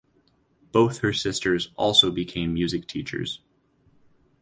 Both her sisters also became music teachers.